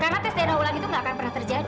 karena tes dna ulang itu nggak akan pernah terjadi